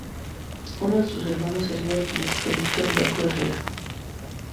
Uno de sus hermanos sería el político Víctor Larco Herrera.